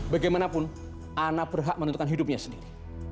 bagaimanapun ana berhak menentukan hidupnya sendiri